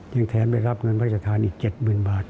ยังแทนไปรับเงินพระราชทานอีก๗๐๐บาท